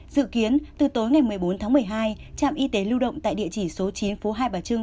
dự kiến từ tối ngày một mươi bốn tháng một mươi hai trạm y tế lưu động tại địa chỉ số chín phố hai bà trưng